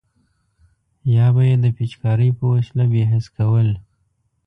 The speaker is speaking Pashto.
یا به یې د پیچکارۍ په وسیله بې حس کول.